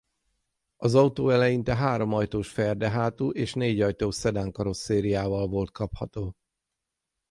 Az autó eleinte háromajtós ferde hátú és négyajtós szedán karosszériával volt kapható.